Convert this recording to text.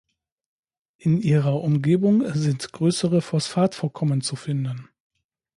In ihrer Umgebung sind größere Phosphatvorkommen zu finden.